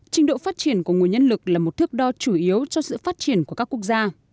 trình độ phát triển của nguồn nhân lực là một thước đo chủ yếu cho sự phát triển của các quốc gia